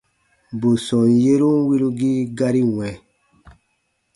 Bù sɔm yerun wirugii gari wɛ̃.